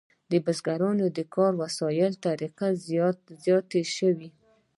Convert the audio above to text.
د بزګرانو د کاري وسایلو طریقې زیاتې شوې.